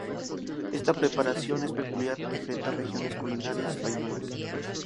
Esta preparación es peculiar de diferentes regiones culinarias españolas.